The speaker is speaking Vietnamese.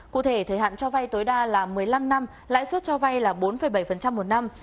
cụ thể thời hạn cho vay tối đa là một mươi năm năm lãi suất cho vay là bốn bảy một năm